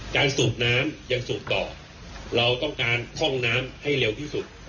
สูบน้ำยังสูบต่อเราต้องการท่องน้ำให้เร็วที่สุด